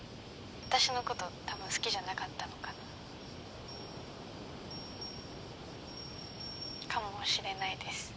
私のこと多分好きじゃなかったのかな。かもしれないです。